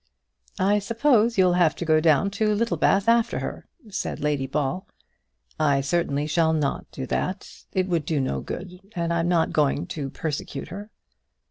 "I suppose you'll have to go down to Littlebath after her," said Lady Ball. "I certainly shall not do that. It would do no good; and I'm not going to persecute her."